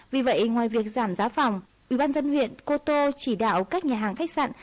vì vậy ngoài việc giảm giá phòng ủy ban dân huyện cô tô chỉ đạo các nhà hàng khách sạn